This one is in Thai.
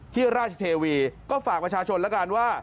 ที่ราชเทวีก็ฝากประชาชนแล้วกันว่า